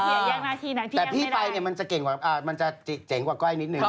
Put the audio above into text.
เขลแย่งหน้าที่น้ำพี่ยังไม่ได้พี่ไฟมันจะเจ๋งกว่าก้อยนิดหนึ่ง